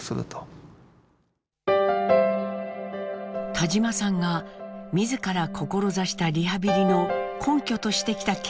田島さんが自ら志したリハビリの根拠としてきた研究があります。